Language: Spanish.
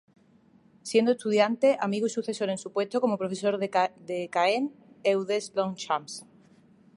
Siendo estudiante, amigo y sucesor en su puesto como profesor en Caen Eudes-Deslongchamps.